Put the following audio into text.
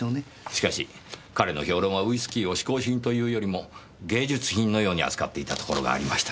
しかし彼の評論はウイスキーを嗜好品というよりも芸術品のように扱っていたところがありましたねぇ。